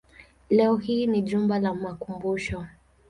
Leo hii ni jumba la makumbusho.